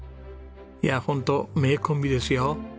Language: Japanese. いやホント名コンビですよ。